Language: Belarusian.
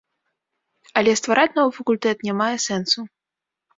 Але ствараць новы факультэт не мае сэнсу.